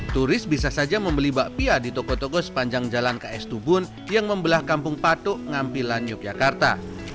turis bisa saja membeli bakpia di toko toko sepanjang jalan ke estubun yang membelah kampung patok ngampilan yogyakarta